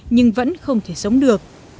nhưng vẫn không thể sống được